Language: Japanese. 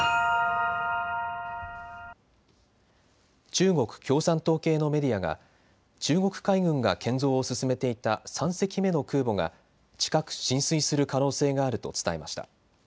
中国共産党系のメディアが中国海軍が建造を進めていた３隻目の空母が近く進水する可能性があると伝えました。